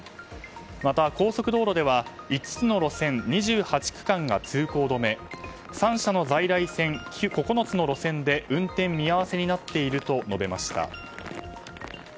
また高速道路では５つの路線、２８区間が通行止め３社の在来線９つの路線で運転見合わせになっていると述べました。